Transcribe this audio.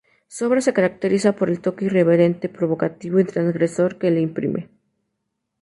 Su obra se caracteriza por el toque irreverente, provocativo y transgresor que le imprime.